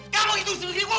kamu itu sendiri bu